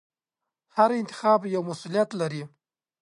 هر انتخاب یو مسؤلیت لري.